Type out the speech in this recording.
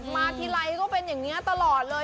มาที่แล้วก็เป็นอย่างเนี้ยตลอดเลย